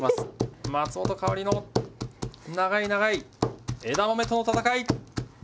松本薫の長い長い枝豆との戦い！